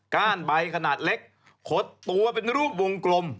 ้านใบขนาดเล็กขดตัวเป็นรูปวงกลม